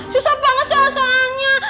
susah bangetzilah soalnya